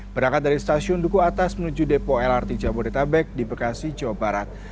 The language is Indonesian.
berangkat dari stasiun duku atas menuju depo lrt jabodetabek di bekasi jawa barat